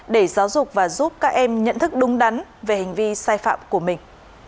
để giáo dục và giúp các em nhận thức đúng đắn về hành vi sai phạm của mình